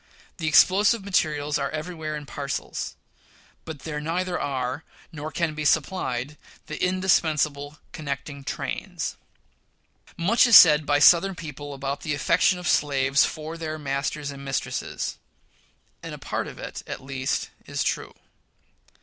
The explosive materials are everywhere in parcels; but there neither are, nor can be supplied the indispensable connecting trains. Much is said by Southern people about the affection of slaves for their masters and mistresses; and a part of it, at least, is true.